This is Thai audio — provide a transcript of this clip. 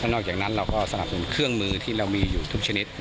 นอกจากนั้นเราก็สนับสนุนเครื่องมือที่เรามีอยู่ทุกชนิด